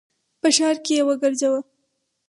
په ښار کي یې وګرځوه !